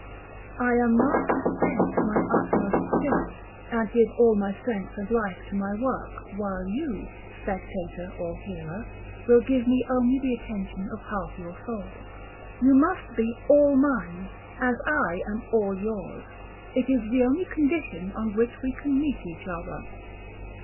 I am not to spend my utmost spirit, and give all my strength and life to my work, while you, spectator or hearer, will give me only the attention of half your soul. You must be all mine, as I am all yours; it is the only condition on which we can meet each other.